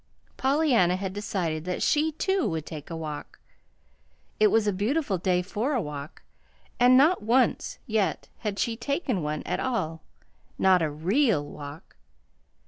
Pollyanna had decided that she, too, would take a walk. It was a beautiful day for a walk, and not once, yet, had she taken one at all not a REAL walk.